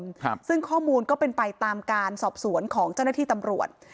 ครับซึ่งข้อมูลก็เป็นไปตามการสอบสวนของเจ้าหน้าที่ตำรวจ